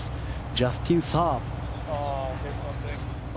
ジャスティン・サー。